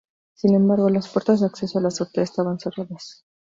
Sin embargo, las puertas de acceso a la azotea estaban cerradas.